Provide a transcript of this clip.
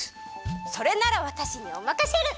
それならわたしにおまかシェル！